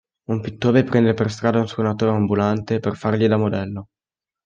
Un pittore prende per strada un suonatore ambulante per fargli da modello.